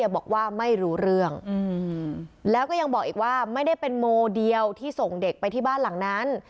บอกว่าไม่รู้เรื่องแล้วก็ยังบอกอีกว่าไม่ได้เป็นโมเดียวที่ส่งเด็กไปที่บ้านหลังนั้น